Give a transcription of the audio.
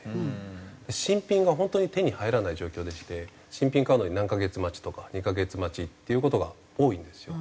新品が本当に手に入らない状況でして新品買うのに何カ月待ちとか２カ月待ちっていう事が多いんですよ。